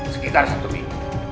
sekitar satu minggu